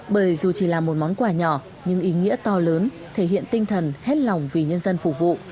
bởi dù chỉ là một món quà nhỏ nhưng ý nghĩa to lớn thể hiện tinh thần hết lòng vì nhân dân phục vụ